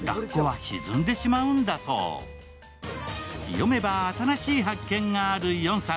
読めば新しい発見がある４冊。